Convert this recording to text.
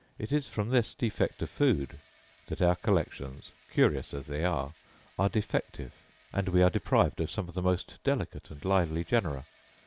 It is from this defect of food that our collections (curious as they are) are defective, and we are deprived of some of the most delicate and lively genera.